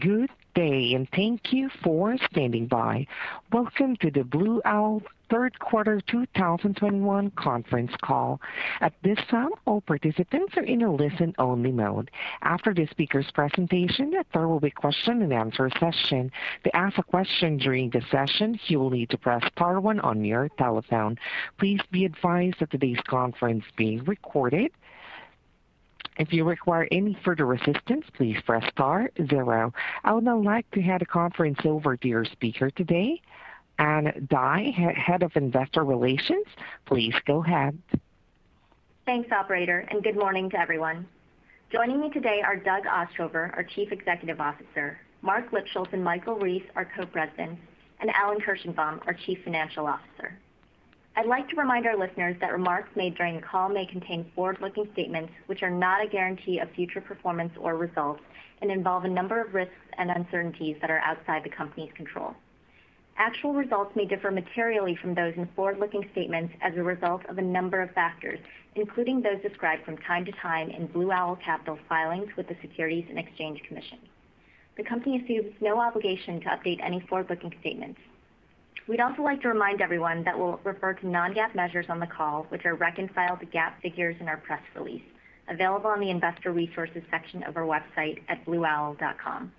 Good day, and thank you for standing by. Welcome to the Blue Owl third quarter 2021 conference call. At this time, all participants are in a listen-only mode. After the speaker's presentation, there will be a question-and-answer session. To ask a question during the session, you will need to press star one on your telephone. Please be advised that today's conference is being recorded. If you require any further assistance, please press star zero. I would now like to hand the conference over to your speaker today, Ann Dai, Head of Investor Relations. Please go ahead. Thanks, operator, and good morning to everyone. Joining me today are Doug Ostrover, our Chief Executive Officer, Marc Lipschultz and Michael Rees, our Co-Presidents, and Alan Kirshenbaum, our Chief Financial Officer. I'd like to remind our listeners that remarks made during the call may contain forward-looking statements which are not a guarantee of future performance or results and involve a number of risks and uncertainties that are outside the company's control. Actual results may differ materially from those in forward-looking statements as a result of a number of factors, including those described from time to time in Blue Owl Capital's filings with the Securities and Exchange Commission. The company assumes no obligation to update any forward-looking statements. We'd also like to remind everyone that we'll refer to non-GAAP measures on the call, which are reconciled to GAAP figures in our press release available on the Investor Resources section of our website at blueowl.com.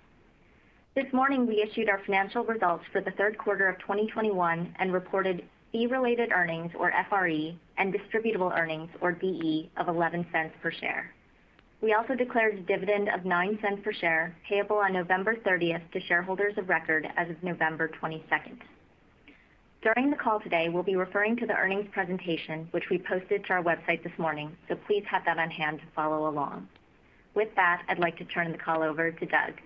This morning, we issued our financial results for the third quarter of 2021 and reported fee-related earnings, or FRE, and distributable earnings, or DE, of $0.11 per share. We also declared a dividend of $0.09 per share payable on November 30 to shareholders of record as of November 22. During the call today, we'll be referring to the earnings presentation, which we posted to our website this morning, so please have that on hand to follow along. With that, I'd like to turn the call over to Doug.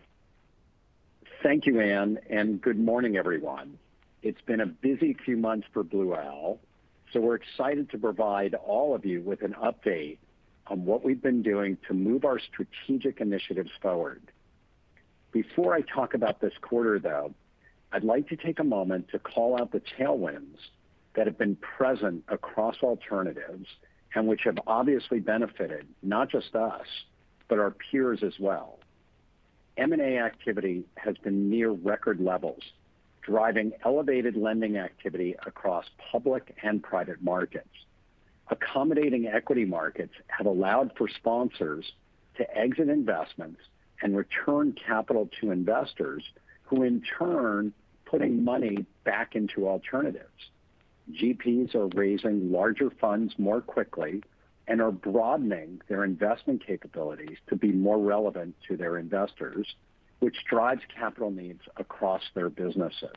Thank you, Ann, and good morning, everyone. It's been a busy few months for Blue Owl, so we're excited to provide all of you with an update on what we've been doing to move our strategic initiatives forward. Before I talk about this quarter, though, I'd like to take a moment to call out the tailwinds that have been present across alternatives and which have obviously benefited not just us, but our peers as well. M&A activity has been near record levels, driving elevated lending activity across public and private markets. Accommodating equity markets have allowed for sponsors to exit investments and return capital to investors who in turn putting money back into alternatives. GPs are raising larger funds more quickly and are broadening their investment capabilities to be more relevant to their investors, which drives capital needs across their businesses.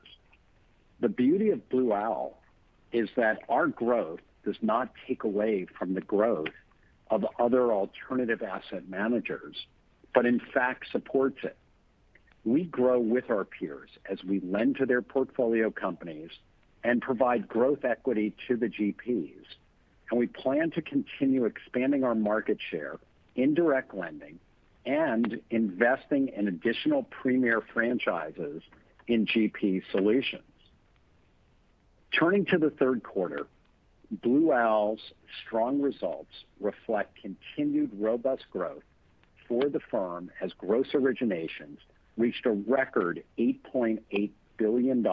The beauty of Blue Owl is that our growth does not take away from the growth of other alternative asset managers, but in fact supports it. We grow with our peers as we lend to their portfolio companies and provide growth equity to the GPs. We plan to continue expanding our market share in direct lending and investing in additional premier franchises in GP Solutions. Turning to the third quarter, Blue Owl's strong results reflect continued robust growth for the firm as gross originations reached a record $8.8 billion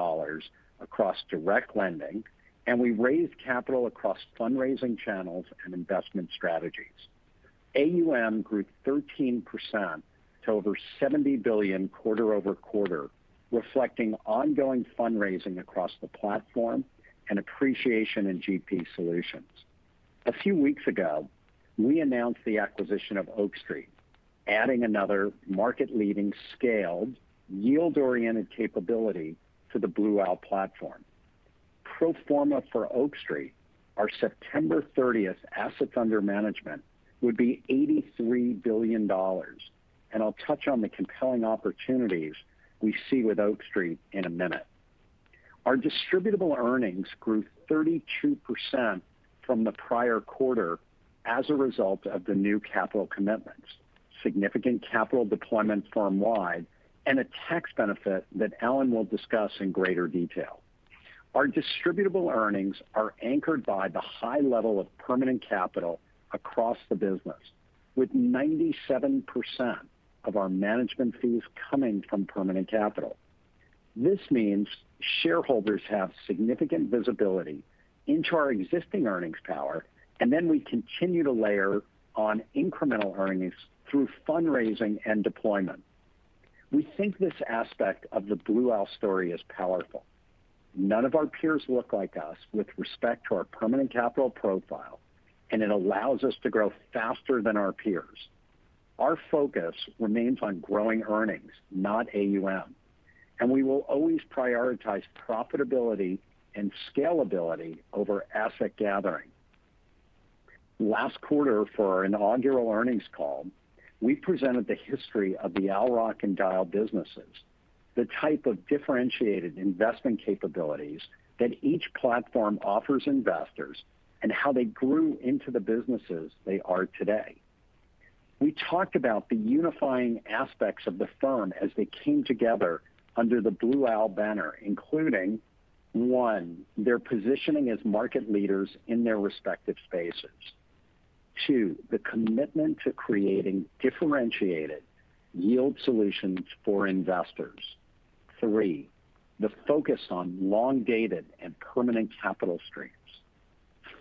across direct lending, and we raised capital across fundraising channels and investment strategies. AUM grew 13% to over $70 billion quarter-over-quarter, reflecting ongoing fundraising across the platform and appreciation in GP Solutions. A few weeks ago, we announced the acquisition of Oak Street, adding another market-leading scaled yield-oriented capability to the Blue Owl platform. Pro forma for Oak Street, our September 30 assets under management would be $83 billion, and I'll touch on the compelling opportunities we see with Oak Street in a minute. Our distributable earnings grew 32% from the prior quarter as a result of the new capital commitments, significant capital deployment firm-wide, and a tax benefit that Alan will discuss in greater detail. Our distributable earnings are anchored by the high level of permanent capital across the business, with 97% of our management fees coming from permanent capital. This means shareholders have significant visibility into our existing earnings power, and then we continue to layer on incremental earnings through fundraising and deployment. We think this aspect of the Blue Owl story is powerful. None of our peers look like us with respect to our permanent capital profile, and it allows us to grow faster than our peers. Our focus remains on growing earnings, not AUM, and we will always prioritize profitability and scalability over asset gathering. Last quarter for our inaugural earnings call, we presented the history of the Owl Rock and Dyal businesses, the type of differentiated investment capabilities that each platform offers investors, and how they grew into the businesses they are today. We talked about the unifying aspects of the firm as they came together under the Blue Owl banner, including, one, their positioning as market leaders in their respective spaces. Two, the commitment to creating differentiated yield solutions for investors. Three, the focus on long-dated and permanent capital streams.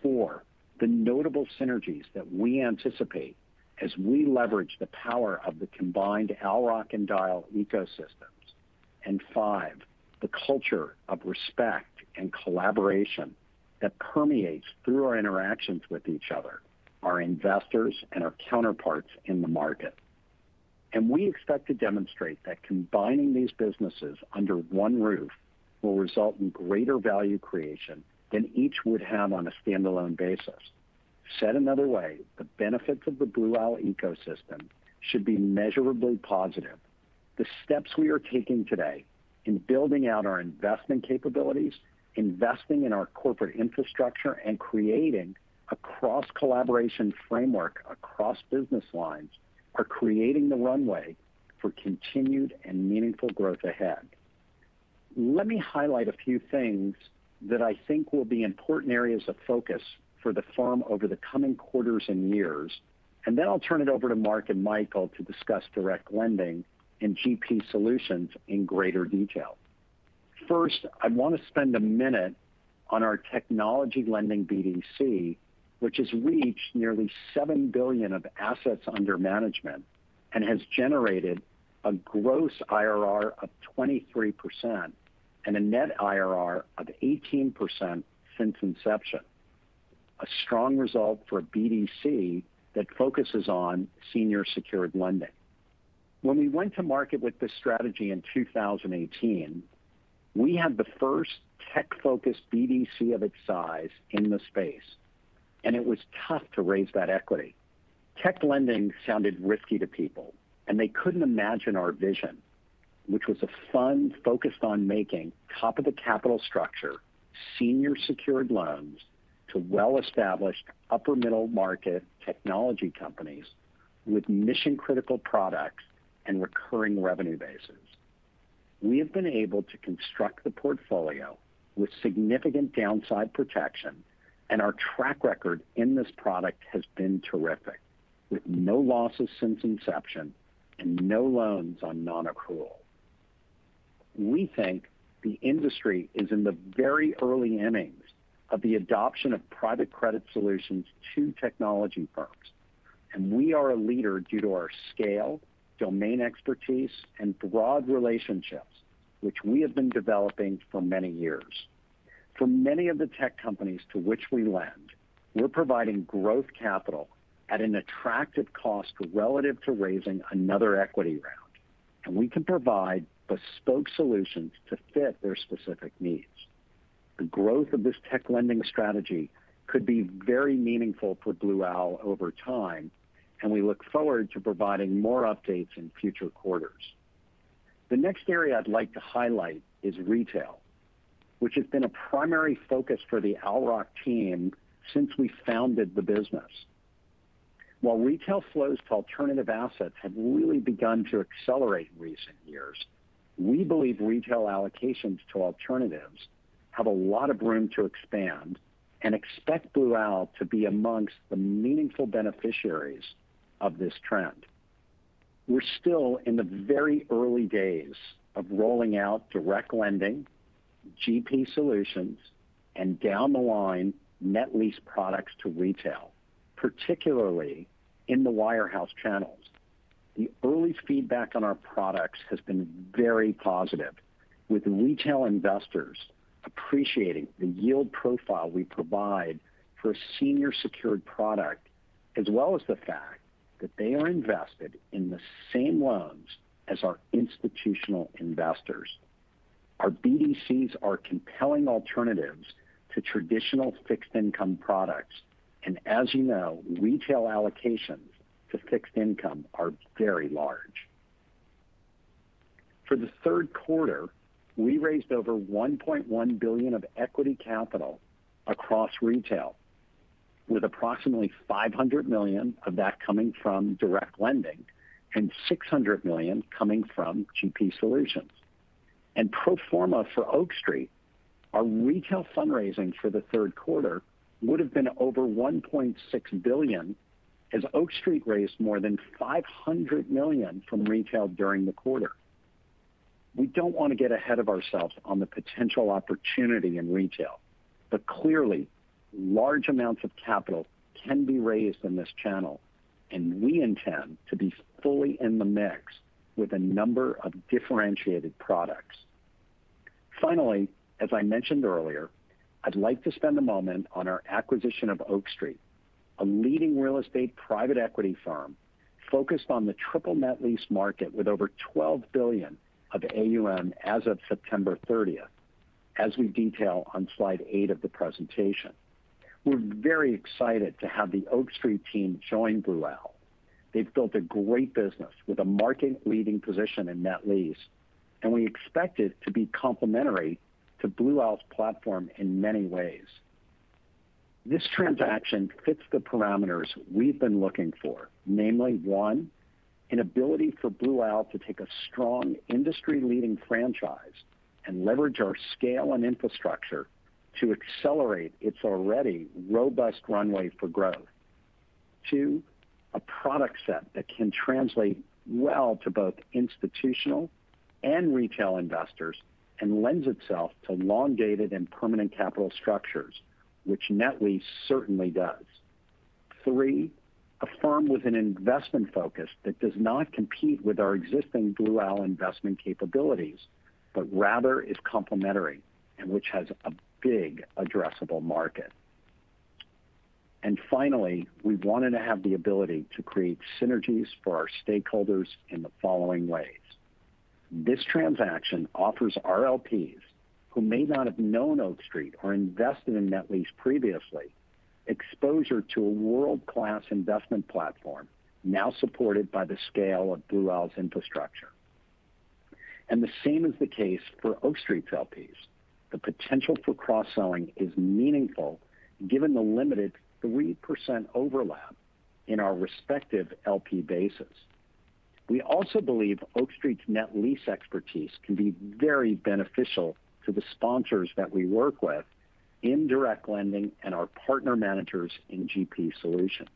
Four, the notable synergies that we anticipate as we leverage the power of the combined Owl Rock and Dyal ecosystems. Five, the culture of respect and collaboration that permeates through our interactions with each other, our investors, and our counterparts in the market. We expect to demonstrate that combining these businesses under one roof will result in greater value creation than each would have on a standalone basis. Said another way, the benefits of the Blue Owl ecosystem should be measurably positive. The steps we are taking today in building out our investment capabilities, investing in our corporate infrastructure, and creating a cross-collaboration framework across business lines are creating the runway for continued and meaningful growth ahead. Let me highlight a few things that I think will be important areas of focus for the firm over the coming quarters and years, and then I'll turn it over to Marc and Michael to discuss direct lending and GP Solutions in greater detail. First, I want to spend a minute on our technology lending BDC, which has reached nearly $7 billion of assets under management and has generated a gross IRR of 23% and a net IRR of 18% since inception. A strong result for a BDC that focuses on senior secured lending. When we went to market with this strategy in 2018, we had the first tech-focused BDC of its size in the space, and it was tough to raise that equity. Tech lending sounded risky to people, and they couldn't imagine our vision, which was a fund focused on making top of the capital structure, senior secured loans to well-established upper middle market technology companies with mission-critical products and recurring revenue bases. We have been able to construct the portfolio with significant downside protection, and our track record in this product has been terrific. With no losses since inception and no loans on non-accrual. We think the industry is in the very early innings of the adoption of private credit solutions to technology firms. We are a leader due to our scale, domain expertise, and broad relationships, which we have been developing for many years. For many of the tech companies to which we lend, we're providing growth capital at an attractive cost relative to raising another equity round, and we can provide bespoke solutions to fit their specific needs. The growth of this tech lending strategy could be very meaningful for Blue Owl over time, and we look forward to providing more updates in future quarters. The next area I'd like to highlight is retail, which has been a primary focus for the Owl Rock team since we founded the business. While retail flows to alternative assets have really begun to accelerate in recent years, we believe retail allocations to alternatives have a lot of room to expand and expect Blue Owl to be amongst the meaningful beneficiaries of this trend. We're still in the very early days of rolling out direct lending, GP Solutions, and down the line net lease products to retail, particularly in the wirehouse channels. The early feedback on our products has been very positive, with retail investors appreciating the yield profile we provide for a senior secured product, as well as the fact that they are invested in the same loans as our institutional investors. Our BDCs are compelling alternatives to traditional fixed income products, and as you know, retail allocations to fixed income are very large. For the third quarter, we raised over $1.1 billion of equity capital across retail, with approximately $500 million of that coming from direct lending and $600 million coming from GP Solutions. Pro forma for Oak Street, our retail fundraising for the third quarter would have been over $1.6 billion, as Oak Street raised more than $500 million from retail during the quarter. We don't want to get ahead of ourselves on the potential opportunity in retail, but clearly large amounts of capital can be raised in this channel, and we intend to be fully in the mix with a number of differentiated products. Finally, as I mentioned earlier, I'd like to spend a moment on our acquisition of Oak Street, a leading real estate private equity firm focused on the triple net lease market with over $12 billion of AUM as of September 30, as we detail on slide 8 of the presentation. We're very excited to have the Oak Street team join Blue Owl. They've built a great business with a market-leading position in net lease, and we expect it to be complementary to Blue Owl's platform in many ways. This transaction fits the parameters we've been looking for, namely one, an ability for Blue Owl to take a strong industry-leading franchise and leverage our scale and infrastructure to accelerate its already robust runway for growth. Two, a product set that can translate well to both institutional and retail investors and lends itself to long-dated and permanent capital structures, which net lease certainly does. Three, a firm with an investment focus that does not compete with our existing Blue Owl investment capabilities, but rather is complementary and which has a big addressable market. Finally, we wanted to have the ability to create synergies for our stakeholders in the following ways. This transaction offers LPs who may not have known Oak Street or invested in net lease previously, exposure to a world-class investment platform now supported by the scale of Blue Owl's infrastructure. The same is the case for Oak Street LPs. The potential for cross-selling is meaningful given the limited 3% overlap in our respective LP bases. We also believe Oak Street's net lease expertise can be very beneficial to the sponsors that we work with in direct lending and our partner managers in GP Solutions.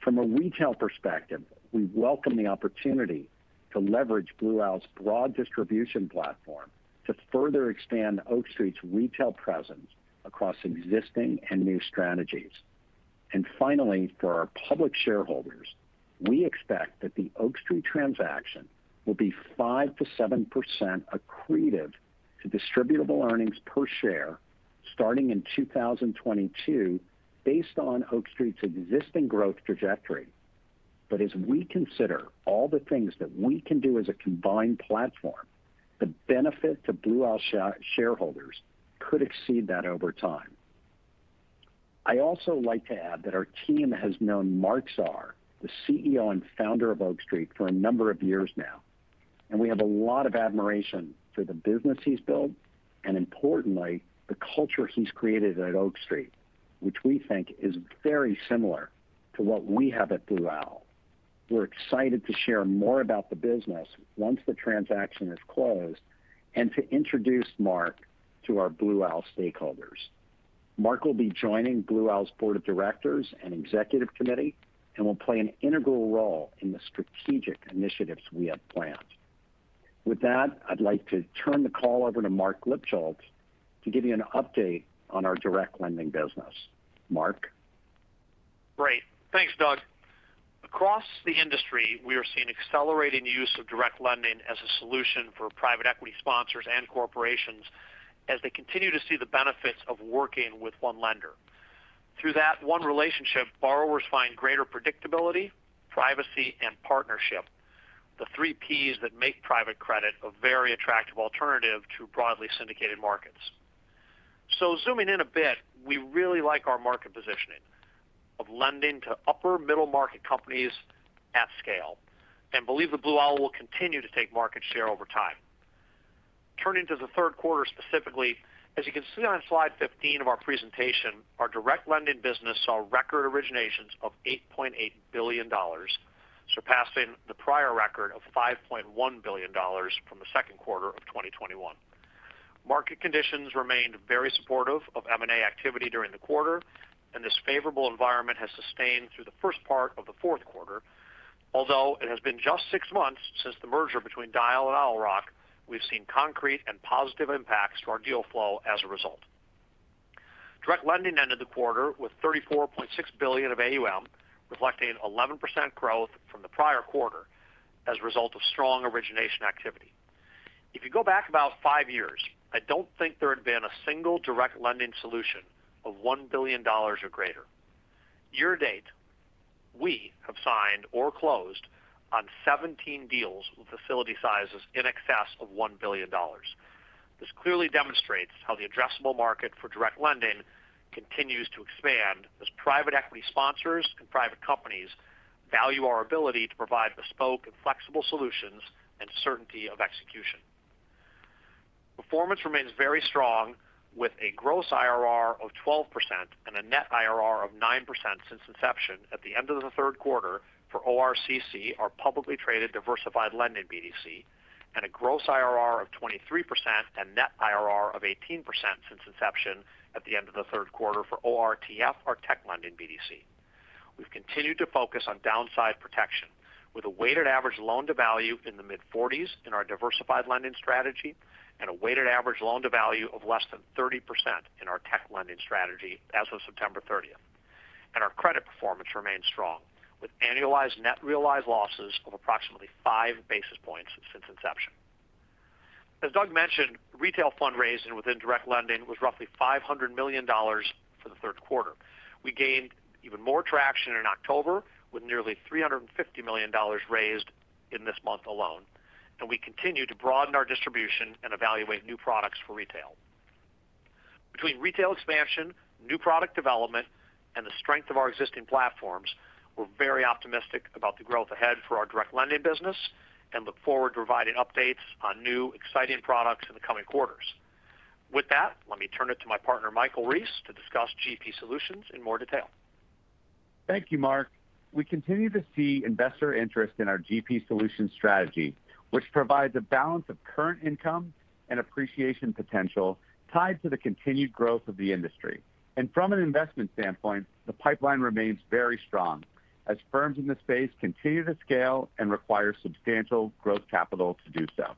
From a retail perspective, we welcome the opportunity to leverage Blue Owl's broad distribution platform to further expand Oak Street's retail presence across existing and new strategies. Finally, for our public shareholders, we expect that the Oak Street transaction will be 5%-7% accretive to distributable earnings per share starting in 2022 based on Oak Street's existing growth trajectory. As we consider all the things that we can do as a combined platform, the benefit to Blue Owl shareholders could exceed that over time. I also like to add that our team has known Marc Zahr, the CEO and founder of Oak Street, for a number of years now, and we have a lot of admiration for the business he's built and importantly, the culture he's created at Oak Street, which we think is very similar to what we have at Blue Owl. We're excited to share more about the business once the transaction is closed and to introduce Marc to our Blue Owl stakeholders. Marc will be joining Blue Owl's board of directors and executive committee and will play an integral role in the strategic initiatives we have planned. With that, I'd like to turn the call over to Marc Lipschultz to give you an update on our direct lending business. Marc? Great. Thanks, Doug. Across the industry, we are seeing accelerating use of direct lending as a solution for private equity sponsors and corporations as they continue to see the benefits of working with one lender. Through that one relationship, borrowers find greater predictability, privacy, and partnership, the three Ps that make private credit a very attractive alternative to broadly syndicated markets. Zooming in a bit, we really like our market positioning of lending to upper middle market companies at scale and believe that Blue Owl will continue to take market share over time. Turning to the third quarter specifically, as you can see on slide 15 of our presentation, our direct lending business saw record originations of $8.8 billion, surpassing the prior record of $5.1 billion from the second quarter of 2021. Market conditions remained very supportive of M&A activity during the quarter, and this favorable environment has sustained through the first part of the fourth quarter. Although it has been just six months since the merger between Dyal and Owl Rock, we've seen concrete and positive impacts to our deal flow as a result. Direct lending ended the quarter with $34.6 billion of AUM, reflecting 11% growth from the prior quarter as a result of strong origination activity. If you go back about 5 years, I don't think there had been a single direct lending solution of $1 billion or greater. Year to date, we have signed or closed on 17 deals with facility sizes in excess of $1 billion. This clearly demonstrates how the addressable market for direct lending continues to expand as private equity sponsors and private companies value our ability to provide bespoke and flexible solutions and certainty of execution. Performance remains very strong with a gross IRR of 12% and a net IRR of 9% since inception at the end of the third quarter for ORCC, our publicly traded diversified lending BDC, and a gross IRR of 23% and net IRR of 18% since inception at the end of the third quarter for ORTF, our tech lending BDC. We've continued to focus on downside protection with a weighted average loan-to-value in the mid-40s in our diversified lending strategy and a weighted average loan-to-value of less than 30% in our tech lending strategy as of September 30. Our credit performance remains strong with annualized net realized losses of approximately 5 basis points since inception. As Doug mentioned, retail fundraising within direct lending was roughly $500 million for the third quarter. We gained even more traction in October with nearly $350 million raised in this month alone. We continue to broaden our distribution and evaluate new products for retail. Between retail expansion, new product development, and the strength of our existing platforms, we're very optimistic about the growth ahead for our direct lending business and look forward to providing updates on new exciting products in the coming quarters. With that, let me turn it to my partner, Michael Rees, to discuss GP Solutions in more detail. Thank you, Marc. We continue to see investor interest in our GP Solutions strategy, which provides a balance of current income and appreciation potential tied to the continued growth of the industry. From an investment standpoint, the pipeline remains very strong as firms in the space continue to scale and require substantial growth capital to do so.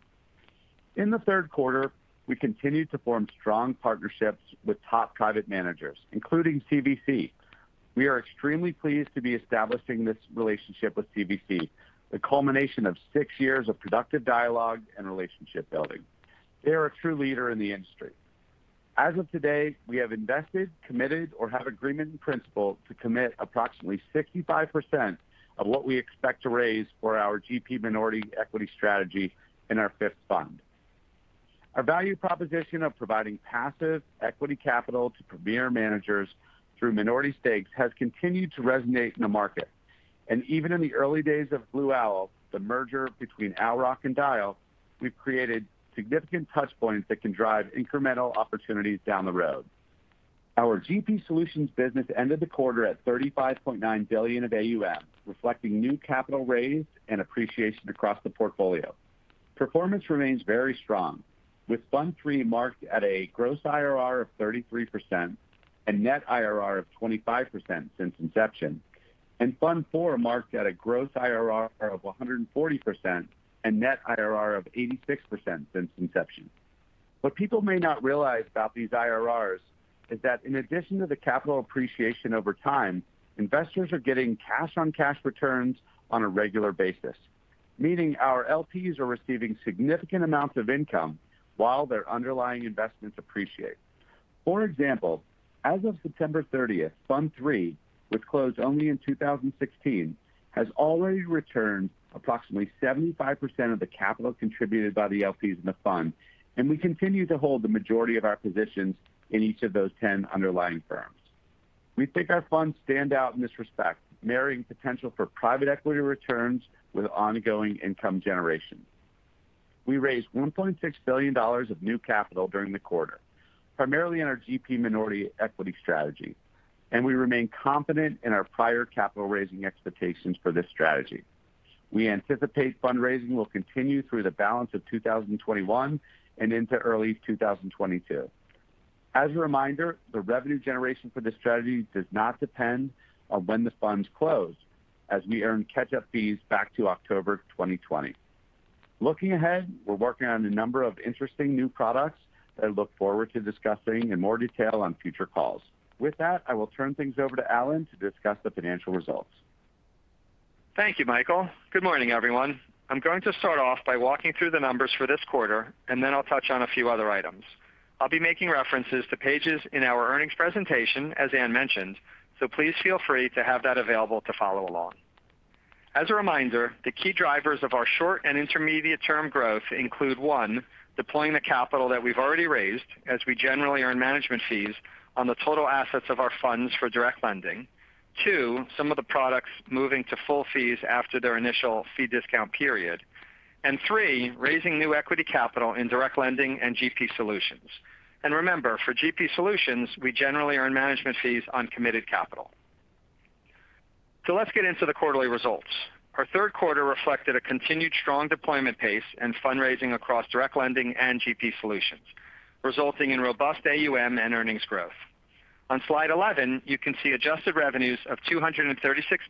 In the third quarter, we continued to form strong partnerships with top private managers, including CVC. We are extremely pleased to be establishing this relationship with CVC, the culmination of six years of productive dialogue and relationship building. They are a true leader in the industry. As of today, we have invested, committed, or have agreement in principle to commit approximately 65% of what we expect to raise for our GP minority equity strategy in our 5th fund. Our value proposition of providing passive equity capital to premier managers through minority stakes has continued to resonate in the market. Even in the early days of Blue Owl, the merger between Owl Rock and Dyal, we've created significant touch points that can drive incremental opportunities down the road. Our GP Solutions business ended the quarter at $35.9 billion of AUM, reflecting new capital raised and appreciation across the portfolio. Performance remains very strong, with Fund III marked at a gross IRR of 33% and net IRR of 25% since inception, and Fund IV marked at a gross IRR of 140% and net IRR of 86% since inception. What people may not realize about these IRRs is that in addition to the capital appreciation over time, investors are getting cash-on-cash returns on a regular basis, meaning our LPs are receiving significant amounts of income while their underlying investments appreciate. For example, as of September 30, Fund III, which closed only in 2016, has already returned approximately 75% of the capital contributed by the LPs in the fund, and we continue to hold the majority of our positions in each of those 10 underlying firms. We think our funds stand out in this respect, marrying potential for private equity returns with ongoing income generation. We raised $1.6 billion of new capital during the quarter, primarily in our GP minority equity strategy, and we remain confident in our prior capital raising expectations for this strategy. We anticipate fundraising will continue through the balance of 2021 and into early 2022. As a reminder, the revenue generation for this strategy does not depend on when the funds close as we earn catch-up fees back to October 2020. Looking ahead, we're working on a number of interesting new products that I look forward to discussing in more detail on future calls. With that, I will turn things over to Alan to discuss the financial results. Thank you, Michael. Good morning, everyone. I'm going to start off by walking through the numbers for this quarter, and then I'll touch on a few other items. I'll be making references to pages in our earnings presentation, as Ann mentioned, so please feel free to have that available to follow along. As a reminder, the key drivers of our short and intermediate term growth include, one, deploying the capital that we've already raised as we generally earn management fees on the total assets of our funds for direct lending. Two, some of the products moving to full fees after their initial fee discount period. And three, raising new equity capital in direct lending and GP Solutions. And remember, for GP Solutions, we generally earn management fees on committed capital. Let's get into the quarterly results. Our third quarter reflected a continued strong deployment pace and fundraising across direct lending and GP Solutions, resulting in robust AUM and earnings growth. On slide 11, you can see adjusted revenues of $236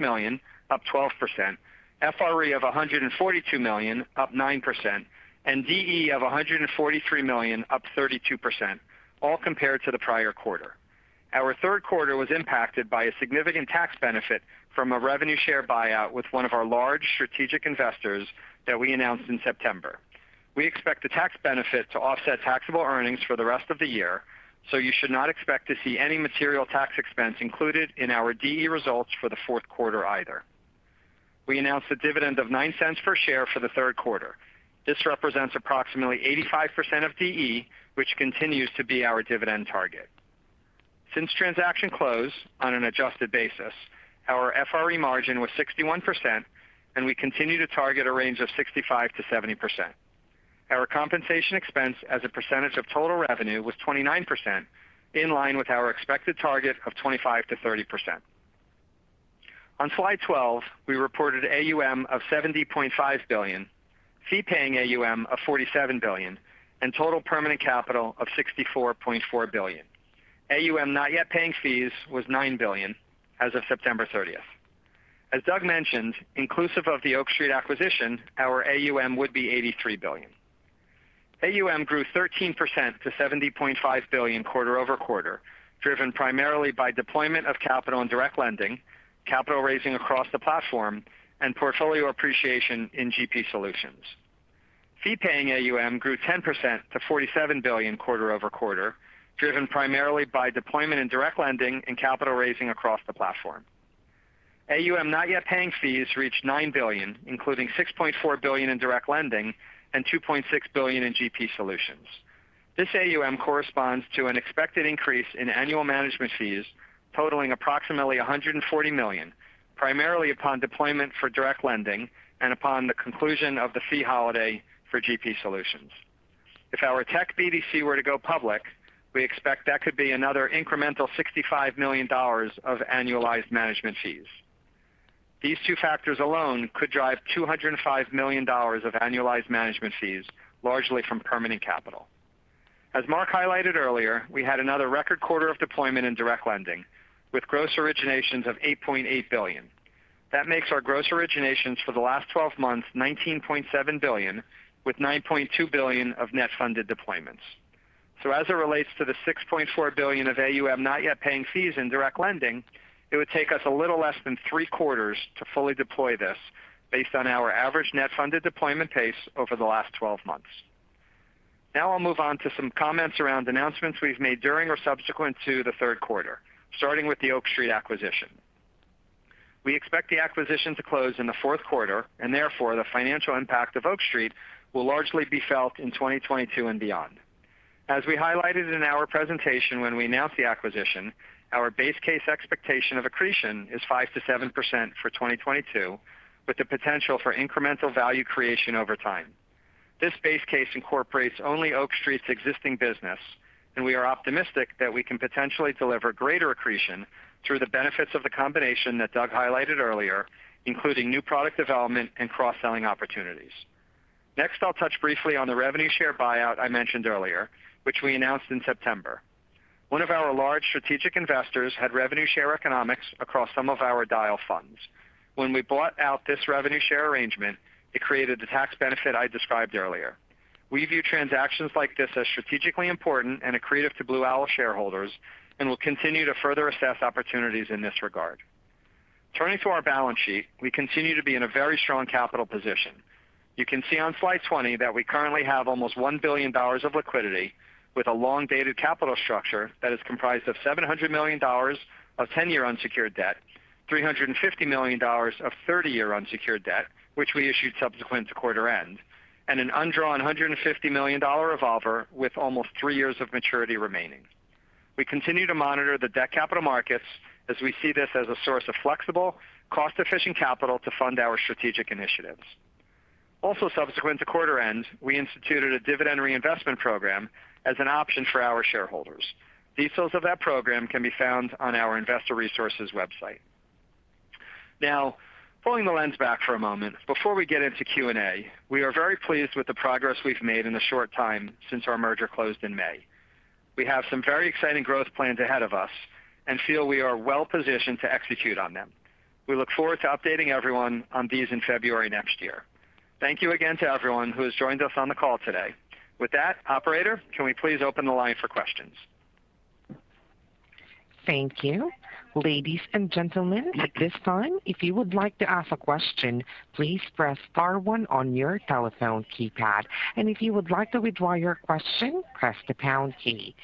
million, up 12%, FRE of $142 million, up 9%, and DE of $143 million, up 32%, all compared to the prior quarter. Our third quarter was impacted by a significant tax benefit from a revenue share buyout with one of our large strategic investors that we announced in September. We expect the tax benefit to offset taxable earnings for the rest of the year, so you should not expect to see any material tax expense included in our DE results for the fourth quarter either. We announced a dividend of $0.09 per share for the third quarter. This represents approximately 85% of DE, which continues to be our dividend target. Since transaction close on an adjusted basis, our FRE margin was 61%, and we continue to target a range of 65%-70%. Our compensation expense as a percentage of total revenue was 29%, in line with our expected target of 25%-30%. On slide 12, we reported AUM of $70.5 billion, fee-paying AUM of $47 billion, and total permanent capital of $64.4 billion. AUM not yet paying fees was $9 billion as of September 30. As Doug mentioned, inclusive of the Oak Street acquisition, our AUM would be $83 billion. AUM grew 13% to $70.5 billion quarter-over-quarter, driven primarily by deployment of capital and direct lending, capital raising across the platform, and portfolio appreciation in GP Solutions. Fee-paying AUM grew 10% to $47 billion quarter-over-quarter, driven primarily by deployment in direct lending and capital raising across the platform. AUM not yet paying fees reached $9 billion, including $6.4 billion in direct lending and $2.6 billion in GP Solutions. This AUM corresponds to an expected increase in annual management fees totaling approximately $140 million, primarily upon deployment for direct lending and upon the conclusion of the fee holiday for GP Solutions. If our tech BDC were to go public, we expect that could be another incremental $65 million of annualized management fees. These two factors alone could drive $205 million of annualized management fees, largely from permanent capital. As Marc highlighted earlier, we had another record quarter of deployment in direct lending with gross originations of $8.8 billion. That makes our gross originations for the last 12 months $19.7 billion, with $9.2 billion of net funded deployments. As it relates to the $6.4 billion of AUM not yet paying fees in direct lending, it would take us a little less than three quarters to fully deploy this based on our average net funded deployment pace over the last 12 months. Now I'll move on to some comments around announcements we've made during or subsequent to the third quarter, starting with the Oak Street acquisition. We expect the acquisition to close in the fourth quarter, and therefore the financial impact of Oak Street will largely be felt in 2022 and beyond. As we highlighted in our presentation when we announced the acquisition, our base case expectation of accretion is 5%-7% for 2022, with the potential for incremental value creation over time. This base case incorporates only Oak Street's existing business, and we are optimistic that we can potentially deliver greater accretion through the benefits of the combination that Doug highlighted earlier, including new product development and cross-selling opportunities. Next, I'll touch briefly on the revenue share buyout I mentioned earlier, which we announced in September. One of our large strategic investors had revenue share economics across some of our Dyal funds. When we bought out this revenue share arrangement, it created the tax benefit I described earlier. We view transactions like this as strategically important and accretive to Blue Owl shareholders and will continue to further assess opportunities in this regard. Turning to our balance sheet, we continue to be in a very strong capital position. You can see on slide 20 that we currently have almost $1 billion of liquidity with a long-dated capital structure that is comprised of $700 million of 10-year unsecured debt, $350 million of 30-year unsecured debt, which we issued subsequent to quarter end, and an undrawn $150 million revolver with almost 3 years of maturity remaining. We continue to monitor the debt capital markets as we see this as a source of flexible, cost-efficient capital to fund our strategic initiatives. Also subsequent to quarter end, we instituted a dividend reinvestment program as an option for our shareholders. Details of that program can be found on our investor resources website. Now, pulling the lens back for a moment before we get into Q&A, we are very pleased with the progress we've made in the short time since our merger closed in May. We have some very exciting growth plans ahead of us and feel we are well positioned to execute on them. We look forward to updating everyone on these in February next year. Thank you again to everyone who has joined us on the call today. With that, operator, can we please open the line for questions? Thank you. Ladies and gentlemen, at this time, if you would like to ask a question, please press star one on your telephone keypad. If you would like to withdraw your question, press the pound key.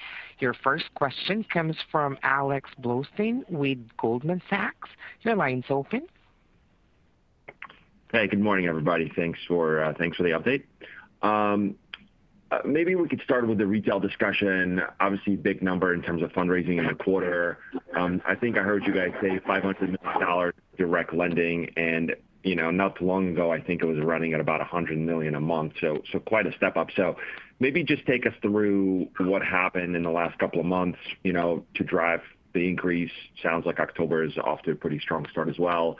Your first question comes from Alexander Blostein with Goldman Sachs. Your line's open. Hey, good morning, everybody. Thanks for the update. Maybe we could start with the retail discussion. Obviously big number in terms of fundraising in the quarter. I think I heard you guys say $500 million direct lending. You know, not too long ago, I think it was running at about $100 million a month. Quite a step up. Maybe just take us through what happened in the last couple of months, you know, to drive the increase. Sounds like October is off to a pretty strong start as well.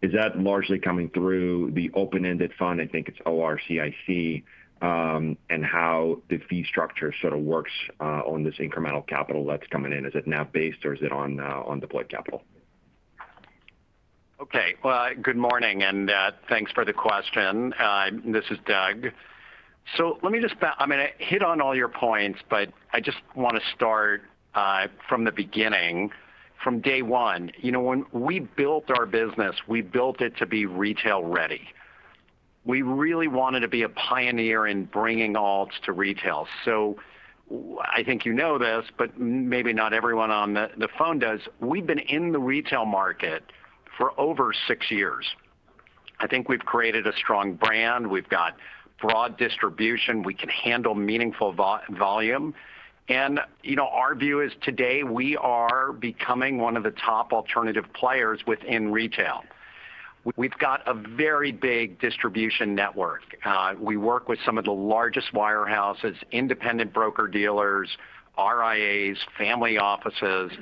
Is that largely coming through the open-ended fund? I think it's ORCIC. And how the fee structure sort of works on this incremental capital that's coming in. Is it NAV based or is it on deployed capital? Okay. Well, good morning and thanks for the question. This is Doug. I'm gonna hit on all your points, but I just wanna start from the beginning, from day one. You know, when we built our business, we built it to be retail ready. We really wanted to be a pioneer in bringing alts to retail. I think you know this, but maybe not everyone on the phone does. We've been in the retail market for over six years. I think we've created a strong brand. We've got broad distribution. We can handle meaningful volume. You know, our view is today we are becoming one of the top alternative players within retail. We've got a very big distribution network. We work with some of the largest wirehouses, independent broker-dealers, RIAs, family offices.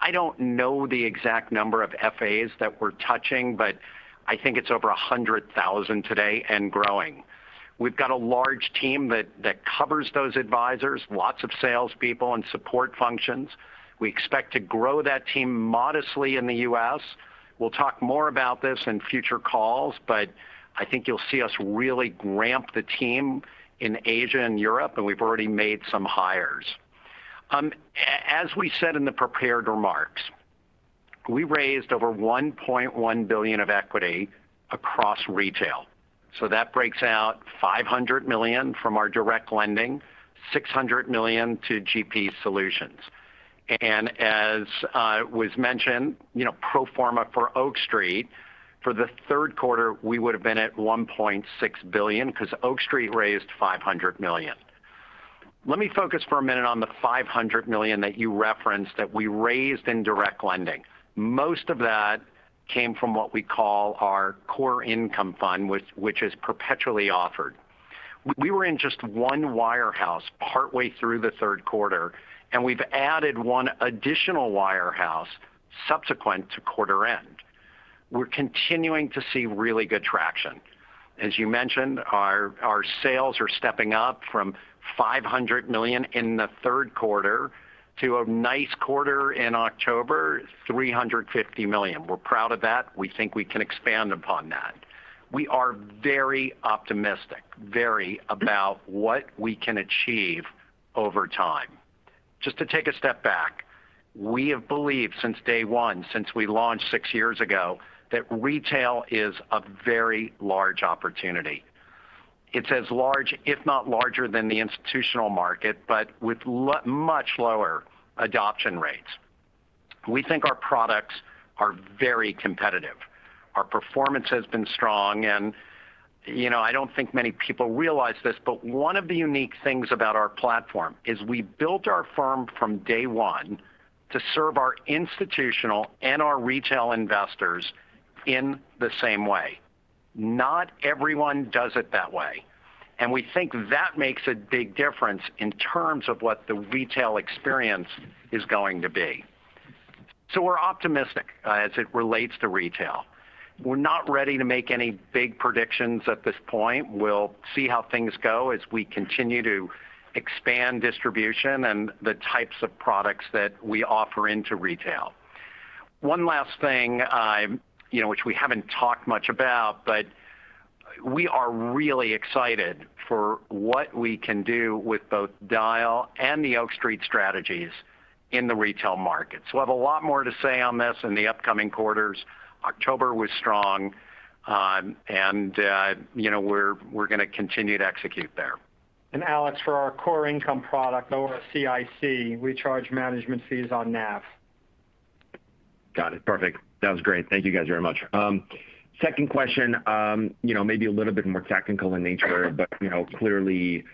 I don't know the exact number of FAs that we're touching, but I think it's over 100,000 today and growing. We've got a large team that covers those advisors, lots of salespeople and support functions. We expect to grow that team modestly in the U.S. We'll talk more about this in future calls, but I think you'll see us really ramp the team in Asia and Europe, and we've already made some hires. As we said in the prepared remarks, we raised over $1.1 billion of equity across retail. So that breaks out $500 million from our direct lending, $600 million to GP Solutions. As was mentioned, you know, pro forma for Oak Street, for the third quarter, we would've been at $1.6 billion because Oak Street raised $500 million. Let me focus for a minute on the $500 million that you referenced that we raised in direct lending. Most of that came from what we call our core income fund, which is perpetually offered. We were in just one wirehouse partway through the third quarter, and we've added one additional wirehouse subsequent to quarter end. We're continuing to see really good traction. As you mentioned, our sales are stepping up from $500 million in the third quarter to a nice quarter in October, $350 million. We're proud of that. We think we can expand upon that. We are very optimistic about what we can achieve over time. Just to take a step back, we have believed since day one, since we launched six years ago, that retail is a very large opportunity. It's as large, if not larger than the institutional market, but with much lower adoption rates. We think our products are very competitive. Our performance has been strong, and, you know, I don't think many people realize this, but one of the unique things about our platform is we built our firm from day one to serve our institutional and our retail investors in the same way. Not everyone does it that way. We think that makes a big difference in terms of what the retail experience is going to be. We're optimistic as it relates to retail. We're not ready to make any big predictions at this point. We'll see how things go as we continue to expand distribution and the types of products that we offer into retail. One last thing, you know, which we haven't talked much about, but we are really excited for what we can do with both Dyal and the Oak Street strategies in the retail market. We'll have a lot more to say on this in the upcoming quarters. October was strong, and you know, we're gonna continue to execute there. Alex, for our core income product or ORCIC, we charge management fees on NAV. Got it. Perfect. That was great. Thank you guys very much. Second question, you know, maybe a little bit more technical in nature, but, you know, clearly,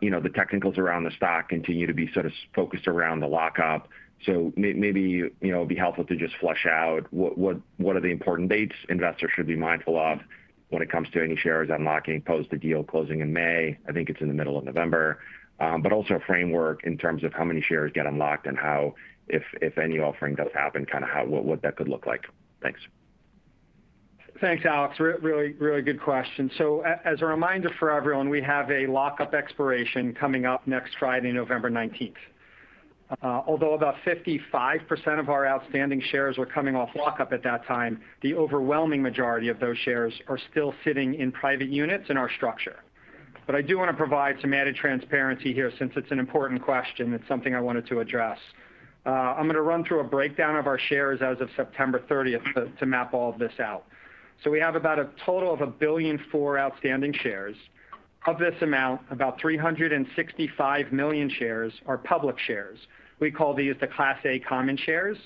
you know, the technicals around the stock continue to be sort of focused around the lockup. Maybe, you know, it'd be helpful to just flesh out what are the important dates investors should be mindful of when it comes to any shares unlocking post the deal closing in May. I think it's in the middle of November. Also framework in terms of how many shares get unlocked and how if any offering does happen, kind of what that could look like. Thanks. Thanks, Alex. Really good question. As a reminder for everyone, we have a lock-up expiration coming up next Friday, November 19. Although about 55% of our outstanding shares were coming off lock-up at that time, the overwhelming majority of those shares are still sitting in private units in our structure. I do want to provide some added transparency here since it's an important question. It's something I wanted to address. I'm going to run through a breakdown of our shares as of September 30 to map all of this out. We have about a total of 1.4 billion outstanding shares. Of this amount, about 365 million shares are public shares. We call these the Class A common shares.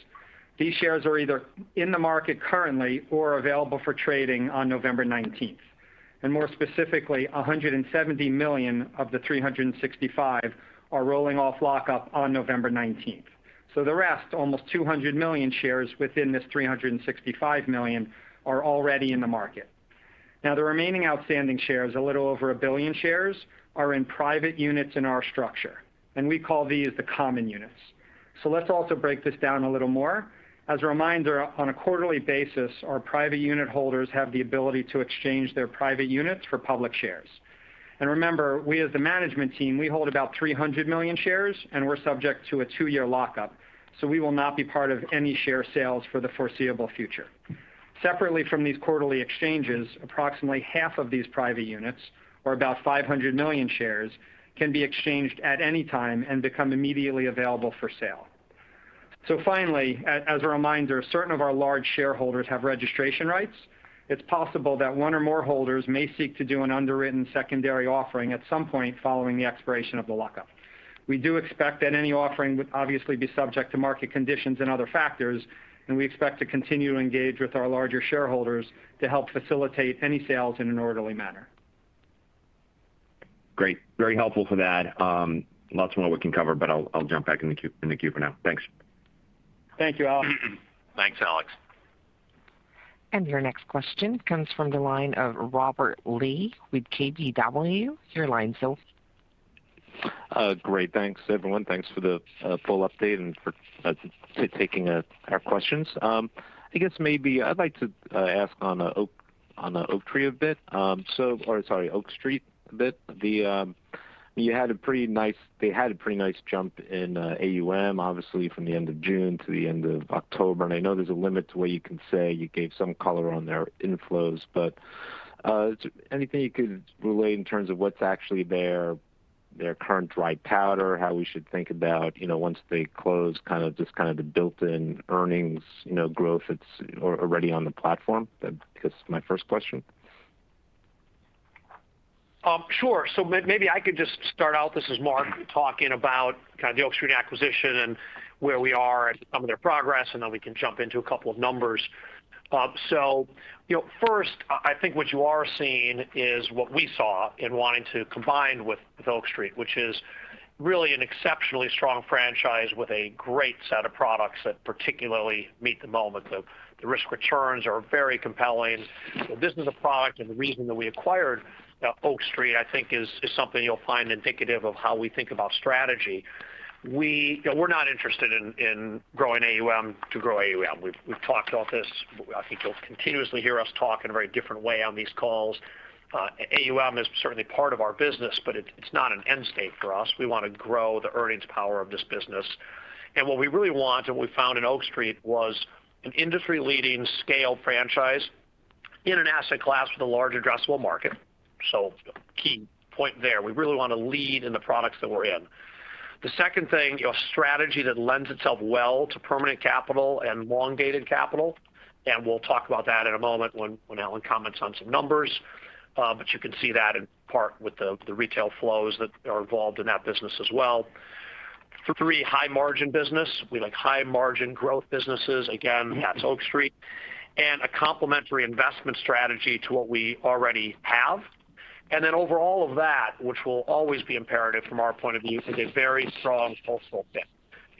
These shares are either in the market currently or available for trading on November 19. More specifically, 170 million of the 365 are rolling off lock-up on November 19. The rest, almost 200 million shares within this 365 million, are already in the market. Now, the remaining outstanding shares, a little over 1 billion shares, are in private units in our structure. We call these the common units. Let's also break this down a little more. As a reminder, on a quarterly basis, our private unit holders have the ability to exchange their private units for public shares. Remember, we as the management team, we hold about 300 million shares, and we're subject to a 2-year lock-up. We will not be part of any share sales for the foreseeable future. Separately from these quarterly exchanges, approximately half of these private units, or about 500 million shares, can be exchanged at any time and become immediately available for sale. Finally, as a reminder, certain of our large shareholders have registration rights. It's possible that one or more holders may seek to do an underwritten secondary offering at some point following the expiration of the lock-up. We do expect that any offering would obviously be subject to market conditions and other factors, and we expect to continue to engage with our larger shareholders to help facilitate any sales in an orderly manner. Great. Very helpful for that. Lots more we can cover, but I'll jump back in the queue for now. Thanks. Thank you, Alex. Thanks, Alex. Your next question comes from the line of Robert Lee with KBW. Your line's open. Great. Thanks, everyone. Thanks for the full update and for taking our questions. I guess maybe I'd like to ask on Oak Street a bit. Or sorry, Oak Street a bit. They had a pretty nice jump in AUM, obviously from the end of June to the end of October. I know there's a limit to what you can say. You gave some color on their inflows. Anything you could relate in terms of what's actually their current dry powder, how we should think about, you know, once they close, kind of just kind of the built-in earnings, you know, growth that's already on the platform? That is my first question. Sure. Maybe I could just start out, this is Marc, talking about kind of the Oak Street acquisition and where we are and some of their progress, and then we can jump into a couple of numbers. You know, first, I think what you are seeing is what we saw in wanting to combine with Oak Street, which is Really an exceptionally strong franchise with a great set of products that particularly meet the moment. The risk returns are very compelling. This is a product, and the reason that we acquired Oak Street, I think is something you'll find indicative of how we think about strategy. You know, we're not interested in growing AUM to grow AUM. We've talked about this. I think you'll continuously hear us talk in a very different way on these calls. AUM is certainly part of our business, but it's not an end state for us. We wanna grow the earnings power of this business. What we really want, and we found in Oak Street, was an industry-leading scale franchise in an asset class with a large addressable market. Key point there. We really wanna lead in the products that we're in. The second thing, your strategy that lends itself well to permanent capital and long-dated capital, and we'll talk about that in a moment when Alan comments on some numbers. You can see that in part with the retail flows that are involved in that business as well. Third, high margin business. We like high margin growth businesses. Again, that's Oak Street. A complementary investment strategy to what we already have. Over all of that, which will always be imperative from our point of view, is a very strong cultural fit.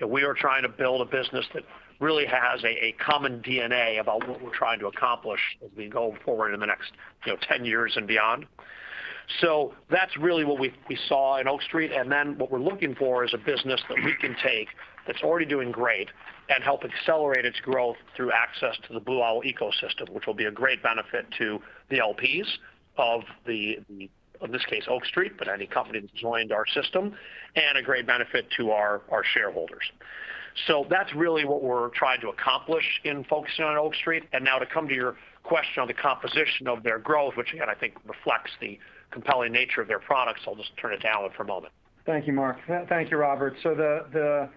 We are trying to build a business that really has a common DNA about what we're trying to accomplish as we go forward in the next, you know, ten years and beyond. That's really what we saw in Oak Street. What we're looking for is a business that we can take that's already doing great and help accelerate its growth through access to the Blue Owl ecosystem, which will be a great benefit to the LPs of the, in this case, Oak Street, but any company that's joined our system, and a great benefit to our shareholders. That's really what we're trying to accomplish in focusing on Oak Street. To come to your question on the composition of their growth, which again, I think reflects the compelling nature of their products, I'll just turn it to Alan for a moment. Thank you, Marc. Thank you, Robert. The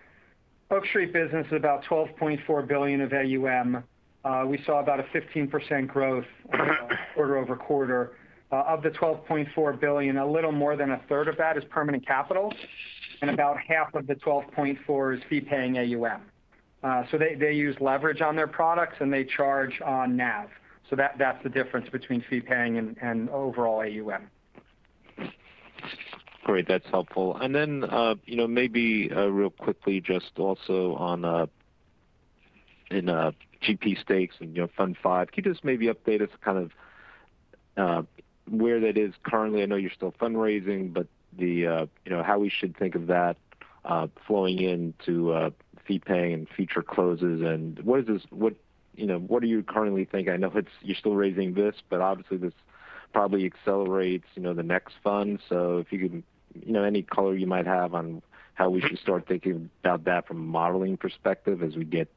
Oak Street business is about $12.4 billion of AUM. We saw about a 15% growth quarter-over-quarter. Of the $12.4 billion, a little more than a third of that is permanent capital, and about half of the $12.4 billion is fee-paying AUM. They use leverage on their products, and they charge on NAV. That's the difference between fee-paying and overall AUM. Great. That's helpful. You know, maybe real quickly, just also on GP stakes and, you know, Fund V, can you just maybe update us kind of where that is currently? I know you're still fundraising, but you know, how we should think of that flowing into fee-paying and future closes. What, you know, what do you currently think? I know it's you're still raising this, but obviously this probably accelerates, you know, the next fund. If you can, you know, any color you might have on how we should start thinking about that from a modeling perspective as we get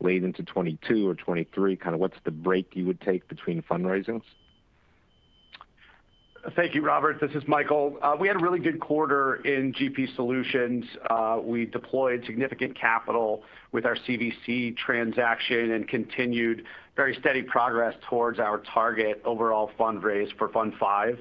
late into 2022 or 2023, kind of what's the break you would take between fundraisings? Thank you, Robert. This is Michael. We had a really good quarter in GP Solutions. We deployed significant capital with our CVC transaction and continued very steady progress towards our target overall fundraise for Fund V.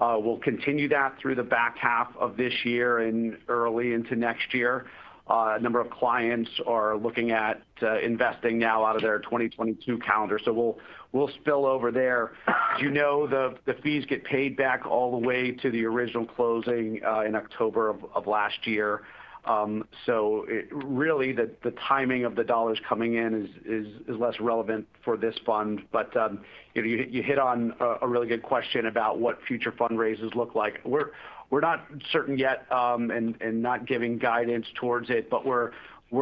We'll continue that through the back half of this year and early into next year. A number of clients are looking at investing now out of their 2022 calendar, so we'll spill over there. You know, the fees get paid back all the way to the original closing in October of last year. It really, the timing of the US dollars coming in is less relevant for this fund. You know, you hit on a really good question about what future fundraisers look like. We're not certain yet, and not giving guidance towards it, but we're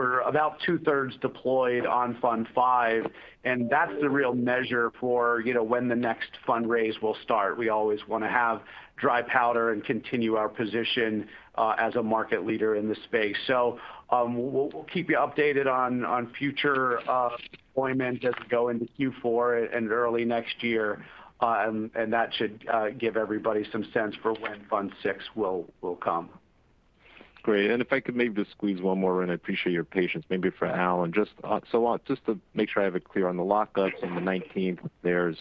about 2/3 deployed on Fund V, and that's the real measure for, you know, when the next fundraise will start. We always wanna have dry powder and continue our position as a market leader in this space. We'll keep you updated on future deployment as we go into Q4 and early next year, and that should give everybody some sense for when Fund VI will come. Great. If I could maybe just squeeze one more in. I appreciate your patience. Maybe for Alan. Just to make sure I have it clear on the lockups on the 19th, there's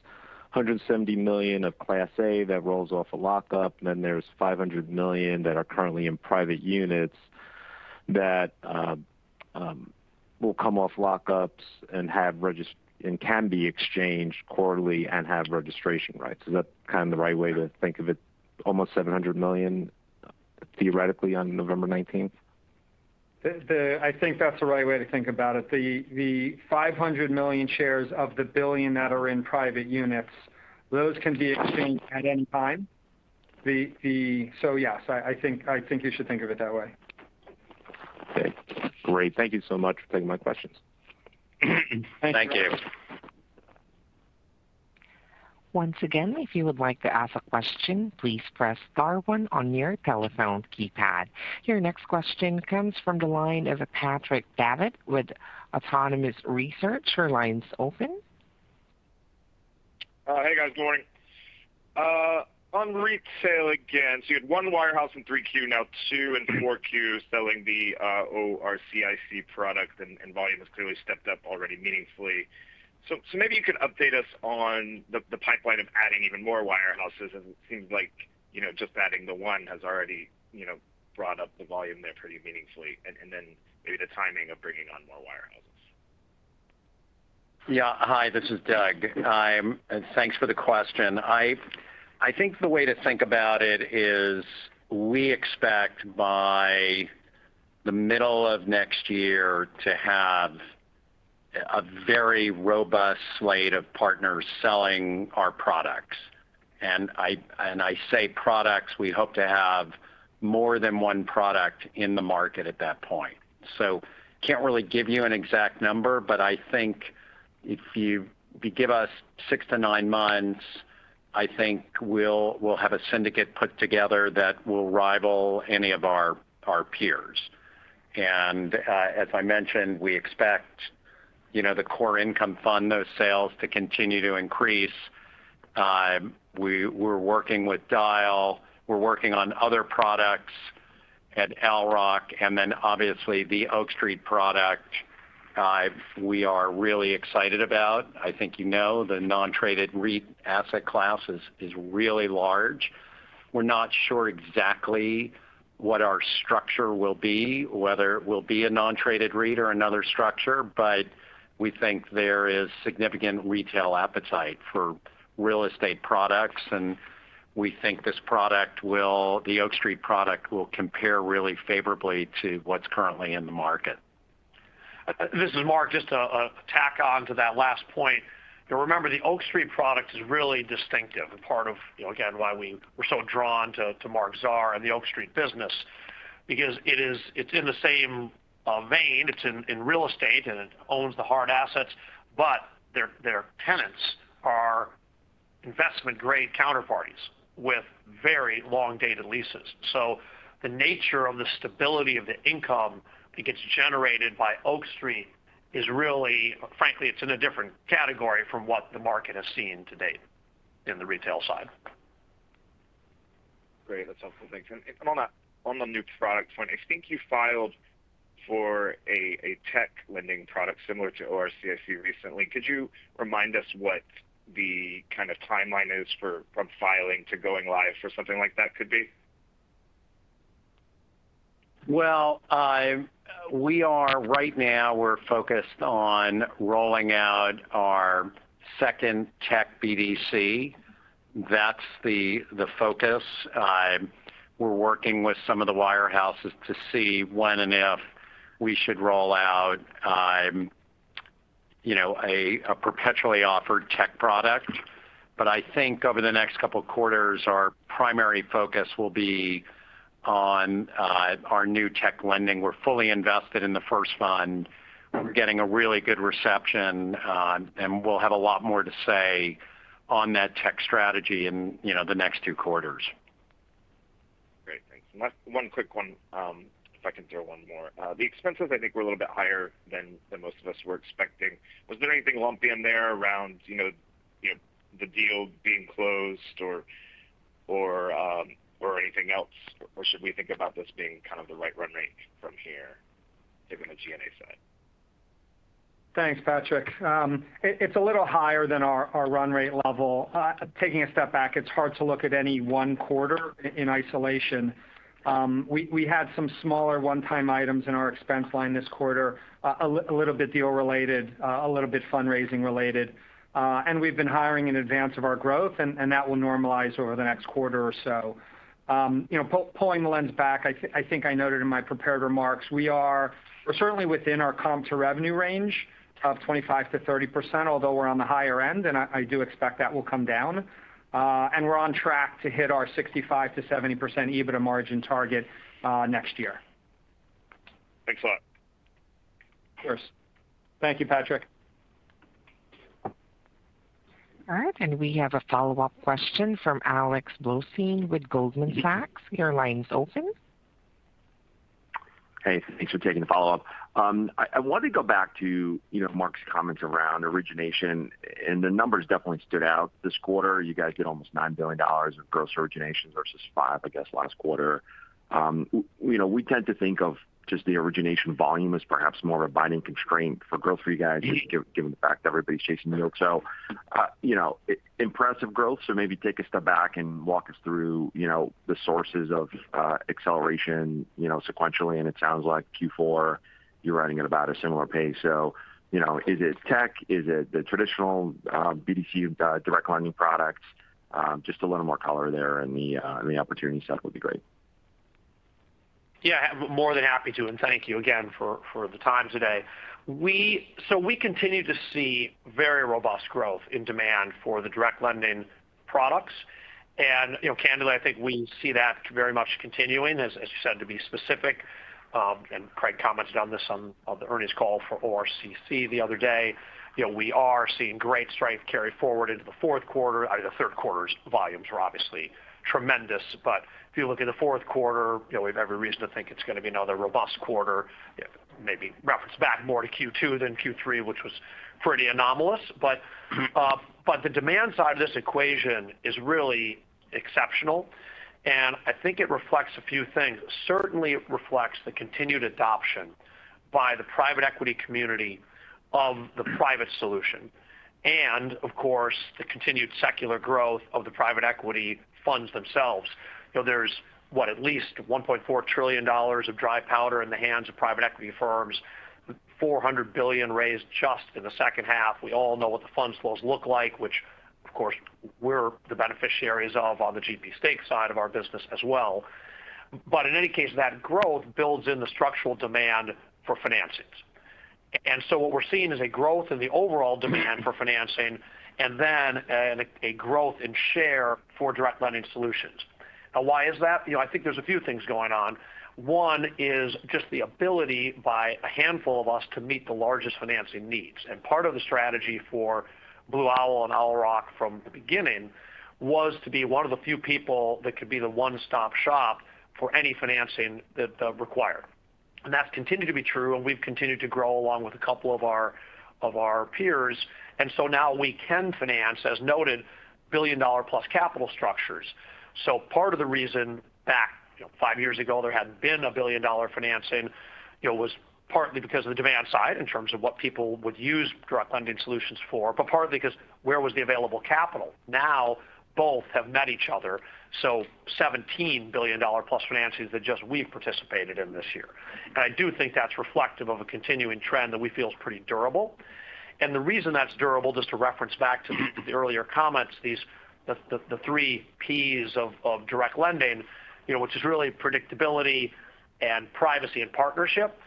170 million of Class A that rolls off a lockup, and then there's 500 million that are currently in private units that will come off lockups and can be exchanged quarterly and have registration rights. Is that kind of the right way to think of it, almost 700 million theoretically on November 19th? I think that's the right way to think about it. Yes, I think you should think of it that way. Okay, great. Thank you so much for taking my questions. Thank you. Thank you. Once again, if you would like to ask a question, please press star one on your telephone keypad. Your next question comes from the line of Patrick Davitt with Autonomous Research. Your line's open. Hey, guys. Good morning. On retail again. You had one wirehouse in Q3, now two in Q4 selling the ORCIC product, and volume has clearly stepped up already meaningfully. Maybe you could update us on the pipeline of adding even more wirehouses. It seems like, you know, just adding the one has already, you know, brought up the volume there pretty meaningfully. Then maybe the timing of bringing on more wirehouses. Yeah. Hi, this is Doug. Thanks for the question. I think the way to think about it is we expect by the middle of next year to have a very robust slate of partners selling our products. I say products, we hope to have more than one product in the market at that point. Can't really give you an exact number, but I think if you give us 6-9 months, I think we'll have a syndicate put together that will rival any of our peers. As I mentioned, we expect, you know, the Core Income Fund, those sales to continue to increase. We're working with Dyal, we're working on other products at Owl Rock, and then obviously the Oak Street product, we are really excited about. I think you know the non-traded REIT asset class is really large. We're not sure exactly what our structure will be, whether it will be a non-traded REIT or another structure, but we think there is significant retail appetite for real estate products, and we think the Oak Street product will compare really favorably to what's currently in the market. This is Marc. Just to tack on to that last point. Remember, the Oak Street product is really distinctive and part of, you know, again, why we were so drawn to Marc Zahr and the Oak Street business. Because it's in the same vein. It's in real estate, and it owns the hard assets, but their tenants are investment-grade counterparties with very long dated leases. So the nature of the stability of the income that gets generated by Oak Street is really, frankly, in a different category from what the market has seen to date in the retail side. Great. That's helpful. Thanks. On the new product front, I think you filed for a tech lending product similar to ORCC recently. Could you remind us what kind of timeline is from filing to going live for something like that could be? Right now we're focused on rolling out our second tech BDC. That's the focus. We're working with some of the wirehouses to see when and if we should roll out, you know, a perpetually offered tech product. But I think over the next couple of quarters, our primary focus will be on our new tech lending. We're fully invested in the first fund. We're getting a really good reception, and we'll have a lot more to say on that tech strategy in, you know, the next two quarters. Great. Thanks. One quick one, if I can throw one more. The expenses I think were a little bit higher than most of us were expecting. Was there anything lumpy in there around, you know, the deal being closed or anything else? Or should we think about this being kind of the right run rate from here, given the G&A side? Thanks, Patrick. It's a little higher than our run rate level. Taking a step back, it's hard to look at any one quarter in isolation. We had some smaller one-time items in our expense line this quarter, a little bit deal related, a little bit fundraising related. We've been hiring in advance of our growth, and that will normalize over the next quarter or so. You know, pulling the lens back, I think I noted in my prepared remarks, we're certainly within our comp to revenue range of 25%-30%, although we're on the higher end, and I do expect that will come down. We're on track to hit our 65%-70% FRE margin target next year. Thanks a lot. Of course. Thank you, Patrick. All right. We have a follow-up question from Alex Blostein with Goldman Sachs. Your line is open. Hey, thanks for taking the follow-up. I wanted to go back to, you know, Marc's comments around origination, and the numbers definitely stood out this quarter. You guys did almost $9 billion of gross originations versus $5 billion, I guess, last quarter. We know we tend to think of just the origination volume as perhaps more of a binding constraint for growth for you guys, given the fact that everybody's chasing the Oak Street. You know, impressive growth. Maybe take a step back and walk us through, you know, the sources of acceleration, you know, sequentially. It sounds like Q4, you're running at about a similar pace. You know, is it tech? Is it the traditional BDC direct lending products? Just a little more color there in the opportunity set would be great. Yeah, more than happy to, and thank you again for the time today. We continue to see very robust growth in demand for the direct lending products. You know, candidly, I think we see that very much continuing, as you said, to be specific. Craig commented on this on the earnings call for ORCC the other day. You know, we are seeing great strength carry forward into the fourth quarter. The third quarter's volumes were obviously tremendous. If you look at the fourth quarter, you know, we have every reason to think it's gonna be another robust quarter. Maybe reference back more to Q2 than Q3, which was pretty anomalous. The demand side of this equation is really exceptional, and I think it reflects a few things. Certainly, it reflects the continued adoption by the private equity community of the private solution. Of course, the continued secular growth of the private equity funds themselves. You know, there's what? At least $1.4 trillion of dry powder in the hands of private equity firms. $400 billion raised just in the second half. We all know what the fund flows look like, which of course we're the beneficiaries of on the GP stake side of our business as well. But in any case, that growth builds in the structural demand for financings. What we're seeing is a growth in the overall demand for financing and then a growth in share for direct lending solutions. Now why is that? You know, I think there's a few things going on. One is just the ability by a handful of us to meet the largest financing needs. Part of the strategy for Blue Owl and Owl Rock from the beginning was to be one of the few people that could be the one-stop shop for any financing that they'll require. That's continued to be true, and we've continued to grow along with a couple of our peers. Now we can finance, as noted, billion-dollar-plus capital structures. Part of the reason back, you know, five years ago there hadn't been a billion-dollar financing, you know, was partly because of the demand side in terms of what people would use direct lending solutions for, but partly because where was the available capital? Now both have met each other. $17 billion+ financings that we've just participated in this year. I do think that's reflective of a continuing trend that we feel is pretty durable. The reason that's durable, just to reference back to the earlier comments, the three Ps of direct lending, you know, which is really predictability and privacy and partnership.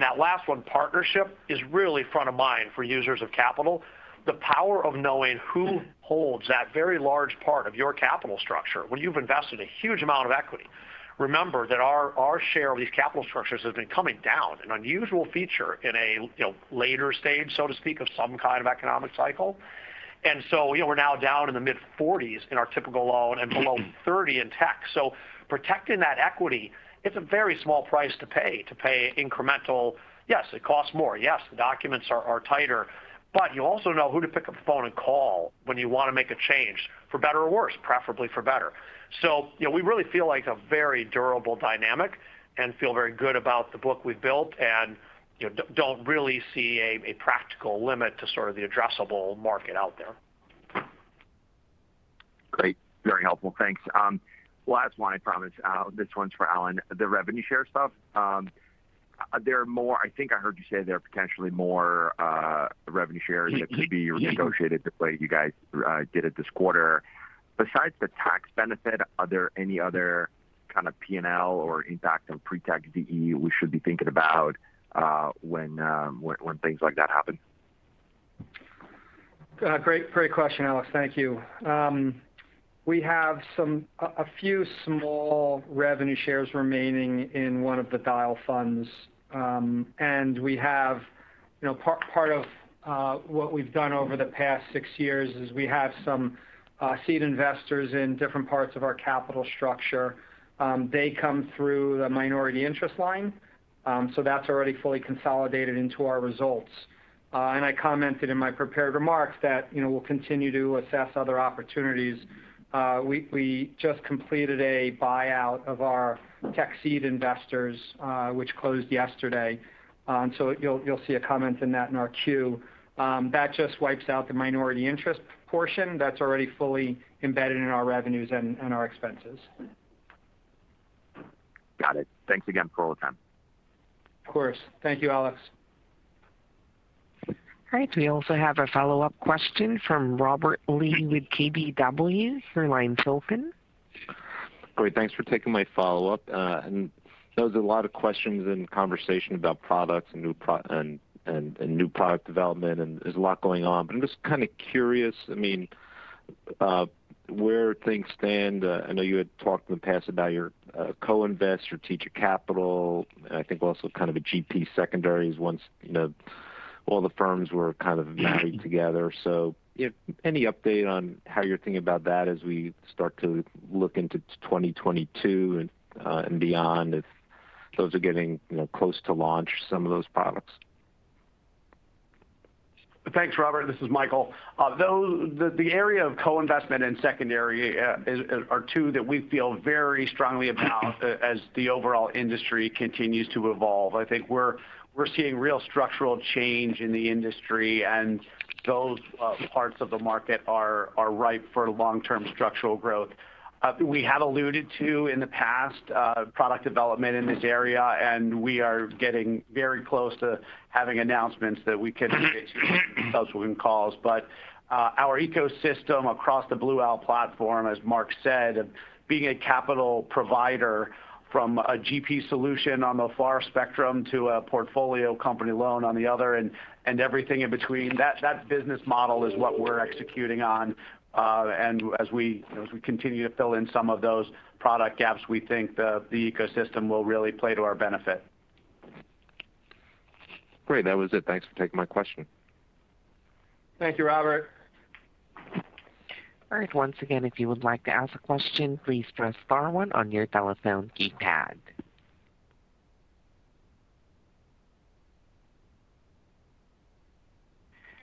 That last one, partnership, is really front of mind for users of capital. The power of knowing who holds that very large part of your capital structure when you've invested a huge amount of equity. Remember that our share of these capital structures has been coming down, an unusual feature in a you know later stage, so to speak, of some kind of economic cycle. You know, we're now down in the mid-40s% in our typical loan and below 30% in tech. Protecting that equity, it's a very small price to pay incrementally. Yes, it costs more. Yes, the documents are tighter. You also know who to pick up the phone and call when you want to make a change for better or worse, preferably for better. You know, we really feel like a very durable dynamic and feel very good about the book we've built and, you know, don't really see a practical limit to sort of the addressable market out there. Great. Very helpful. Thanks. Last one, I promise. This one's for Alan. The revenue share stuff. Are there more? I think I heard you say there are potentially more revenue shares that could be renegotiated the way you guys did it this quarter. Besides the tax benefit, are there any other kind of P&L or impact on pre-tax DE we should be thinking about when things like that happen? Great question, Alex. Thank you. We have a few small revenue shares remaining in one of the Dyal funds. We have, you know, part of what we've done over the past six years is we have some seed investors in different parts of our capital structure. They come through the minority interest line, so that's already fully consolidated into our results. I commented in my prepared remarks that, you know, we'll continue to assess other opportunities. We just completed a buyout of our tech seed investors, which closed yesterday. You'll see a comment on that in our Q. That just wipes out the minority interest portion that's already fully embedded in our revenues and our expenses. Got it. Thanks again for all the time. Of course. Thank you, Alex. All right, we also have a follow-up question from Robert Lee with KBW. Great. Thanks for taking my follow-up. There was a lot of questions and conversation about products and new product development, and there's a lot going on. I'm just kind of curious, I mean, where things stand. I know you had talked in the past about your co-invest, your GP capital, and I think also kind of a GP secondaries once, you know, all the firms were kind of married together. If any update on how you're thinking about that as we start to look into 2022 and beyond, if those are getting, you know, close to launch some of those products. Thanks, Robert. This is Michael. The area of co-investment and secondary are two that we feel very strongly about as the overall industry continues to evolve. I think we're seeing real structural change in the industry, and those parts of the market are ripe for long-term structural growth. We have alluded to in the past product development in this area, and we are getting very close to having announcements that we can make to subsequent calls. Our ecosystem across the Blue Owl platform, as Marc said, of being a capital provider from a GP solution on the far spectrum to a portfolio company loan on the other and everything in between, that business model is what we're executing on. As we continue to fill in some of those product gaps, we think the ecosystem will really play to our benefit. Great. That was it. Thanks for taking my question. Thank you, Robert. All right. Once again, if you would like to ask a question, please press star one on your telephone keypad.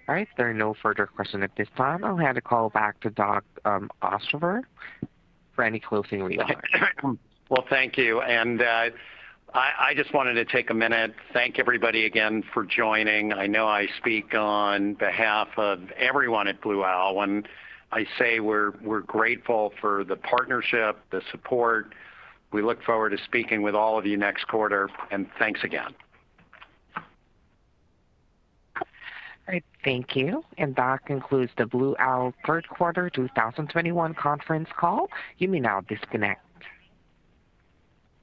All right. There are no further questions at this time. I'll hand the call back to Doug Ostrover for any closing remarks. Well, thank you. I just wanted to take a minute, thank everybody again for joining. I know I speak on behalf of everyone at Blue Owl when I say we're grateful for the partnership, the support. We look forward to speaking with all of you next quarter, and thanks again. All right. Thank you. That concludes the Blue Owl third quarter 2021 conference call. You may now disconnect.